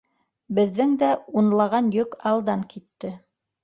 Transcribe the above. Беҙҙең дә унлаған йөк алдан китте.